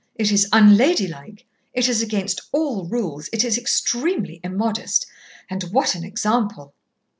It is unladylike, it is against all rules, it is extremely immodest.... And what an example!